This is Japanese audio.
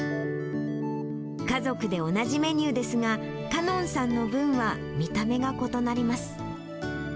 家族で同じメニューですが、かのんさんの分は見た目が異なります。